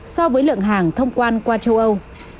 so với lượng hàng thông quan qua châu âu